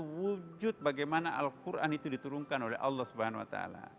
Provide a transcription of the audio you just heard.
wujud bagaimana al quran itu diturunkan oleh allah swt